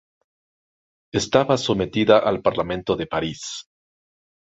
Estaba sometida al Parlamento de París.